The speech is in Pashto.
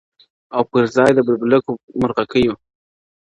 او پر ځای د بلبلکو مرغکیو -